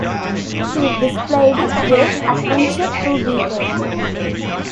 He displayed great attention to detail.